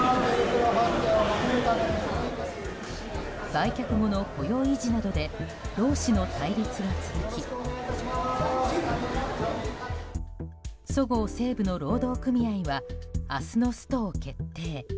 売却後の雇用維持などで労使の対立が続きそごう・西武の労働組合は明日のストを決定。